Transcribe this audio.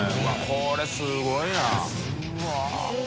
これすごいな。